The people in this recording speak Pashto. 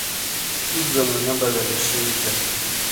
اوس زمانه بدله شوې ده.